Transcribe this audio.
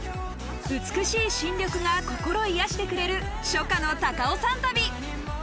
美しい新緑が心癒やしてくれる初夏の高尾山旅。